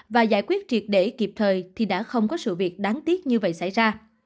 và giải quyết triệt để kịp thời thì đã không có sự việc đáng tiếc như vậy xảy ra